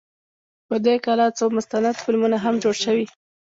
په دې کلا څو مستند فلمونه هم جوړ شوي.